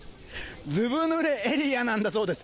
ずぶぬれエリアなんだそうです。